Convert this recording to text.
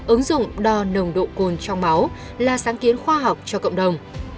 ứng dụng đo nồng độ cồn trong máu là sáng kiến khoa học cho cộng đồng